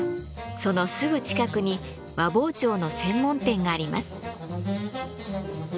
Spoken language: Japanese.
そのすぐ近くに和包丁の専門店があります。